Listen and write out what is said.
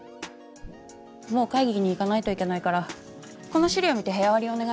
もう会議に行かないといけないからこの資料見て部屋割りをお願いね。